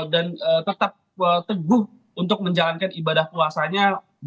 dan tetap teguh untuk menjalankan ibadah puasanya